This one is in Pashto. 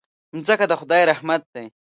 مځکه د خدای رحمت دی.